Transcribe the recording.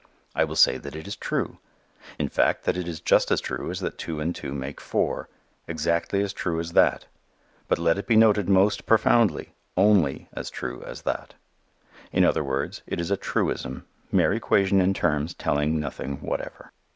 I will say that it is true; in fact, that is just as true as that two and two make four: exactly as true as that, but let it be noted most profoundly, only as true as that. In other words, it is a truism, mere equation in terms, telling nothing whatever.